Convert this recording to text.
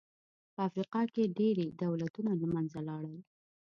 په افریقا کې ډېری دولتونه له منځه لاړل.